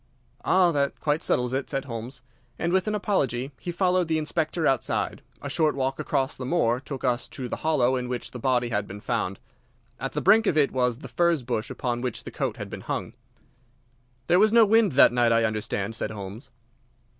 "Ah, that quite settles it," said Holmes. And with an apology he followed the Inspector outside. A short walk across the moor took us to the hollow in which the body had been found. At the brink of it was the furze bush upon which the coat had been hung. "There was no wind that night, I understand," said Holmes.